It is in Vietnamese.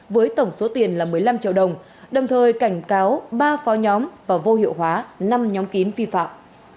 với tổng số tiền là một mươi năm triệu đồng đồng thời cảnh cáo ba phó nhóm và vô hiệu hóa năm nhóm kín vi phạm